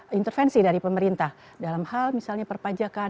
ada intervensi dari pemerintah dalam hal misalnya perpajakan